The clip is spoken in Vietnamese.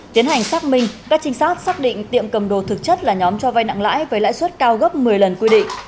tiến hành xác minh các trinh sát xác định tiệm cầm đồ thực chất là nhóm cho vai nặng lãi với lãi suất cao gấp một mươi lần quy định